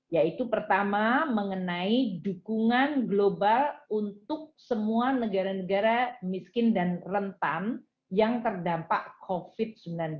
yaitu pertama mengenai dukungan global untuk semua negara negara miskin dan rentan yang terdampak covid sembilan belas